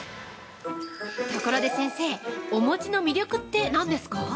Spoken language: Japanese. ところで先生、お餅の魅力って、何ですか。